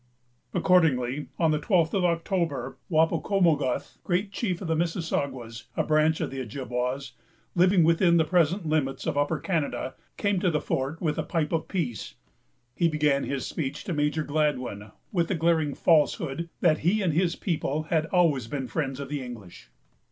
Accordingly, on the twelfth of October, Wapocomoguth, great chief of the Mississaugas, a branch of the Ojibwas, living within the present limits of Upper Canada, came to the fort with a pipe of peace. He began his speech to Major Gladwyn, with the glaring falsehood that he and his people had always been friends of the English.